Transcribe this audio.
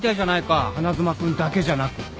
花妻君だけじゃなく。